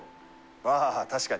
ああ確かに。